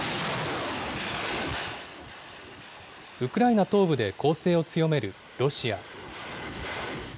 ウクライナ東部で攻勢を強めるロシア。